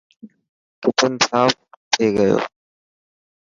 ڪچن ساف ٿي گيو.